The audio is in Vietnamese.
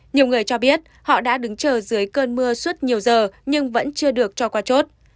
nhiều người cho biết họ đã đứng chờ dưới cơn mưa suốt nhiều giờ nhưng vẫn chưa được cho qua chốt